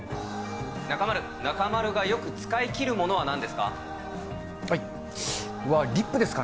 中丸、中丸がよく使い切るものはなんですか。